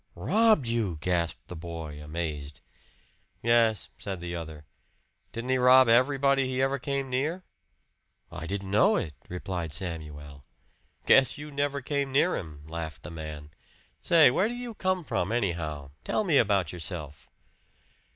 "Robbed you!" gasped the boy amazed. "Yes," said the other. "Didn't he rob everybody he ever came near?" "I didn't know it," replied Samuel. "Guess you never came near him," laughed the man. "Say where do you come from, anyhow? Tell me about yourself."